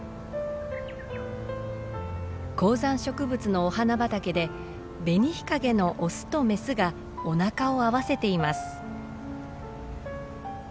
高山植物のお花畑でベニヒカゲのオスとメスがおなかを合わせています。